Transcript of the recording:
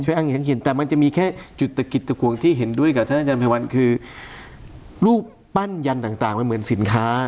ใช่อ้างอิงชัดเจนแต่มันจะมีแค่จุดกิจกรุงที่เห็นด้วยกับท่านท่านจันทร์พระวัลคือรูปปั้นยันต่างมันเหมือนสินค้า